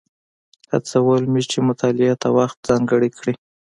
هڅول مې چې مطالعې ته وخت ځانګړی کړي.